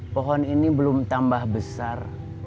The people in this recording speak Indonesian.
pohon ini belum tambah besar